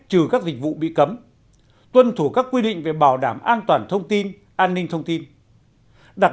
trừ các dịch vụ bị cấm tuân thủ các quy định về bảo đảm an toàn thông tin an ninh thông tin đặc